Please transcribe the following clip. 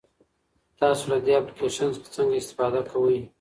تاسو له دې اپلیکیشن څخه څنګه استفاده کوئ؟